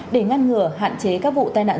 để ngăn ngừa hạn chế các vụ tai nạn